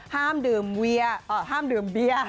ห้ามดื่มเวียห้ามดื่มเบียร์